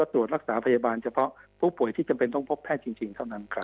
ตรวจรักษาพยาบาลเฉพาะผู้ป่วยที่จำเป็นต้องพบแพทย์จริงเท่านั้นครับ